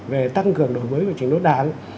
về tăng cường đổi mới của chính đối đảng